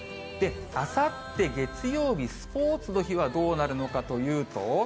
あさって月曜日、スポーツの日はどうなるのかというと。